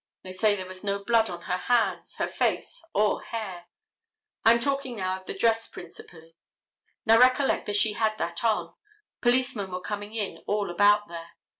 They say there was no blood on her hands, her face or hair. I am talking now of the dress principally. Now recollect that she had that on. Policemen were coming in all about there.